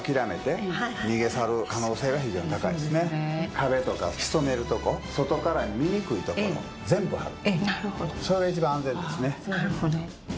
壁とか潜めるとこ外から見にくい所全部貼る。